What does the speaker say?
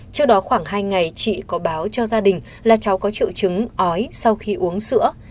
trước đó khoảng hai ngày chị có báo cho gia đình là cháu có triệu chứng ói sau khi uống sữa